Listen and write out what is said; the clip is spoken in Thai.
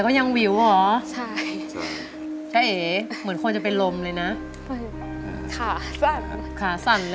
คุณพูดไกล